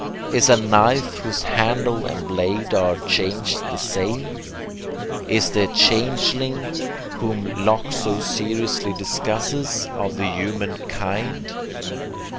Is a knife whose handle and blade are changed the 'same'? Is the 'changeling,' whom Locke so seriously discusses, of the human 'kind'?